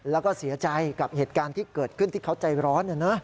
แล้วก็เสียใจกับเหตุการณ์ที่เกิดขึ้นที่เขาใจร้อน